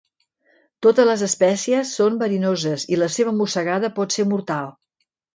Totes les espècies són verinoses i la seva mossegada pot ser mortal.